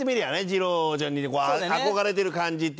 二郎ちゃんに憧れてる感じっていうのは。